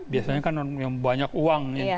biasanya kan banyak uang